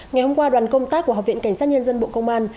ngày hôm qua đoàn công tác của học viện cảnh sát nhân dân bộ công an